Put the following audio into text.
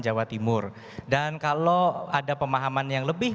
jawa timur dan kalau ada pemahaman yang lebih